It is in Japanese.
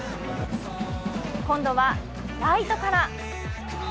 今度はライトから。